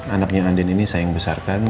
anaknya andin ini saya yang besarkan